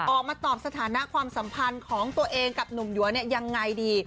ออกมาตอบสถานะความสัมพันธ์ของตัวเองกับหนุ่มหยัวเนี่ยยังไงดี